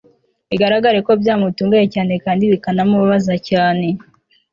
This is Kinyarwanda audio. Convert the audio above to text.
bigaragare ko byamutunguye cyane kandi bikanamubabaza cyane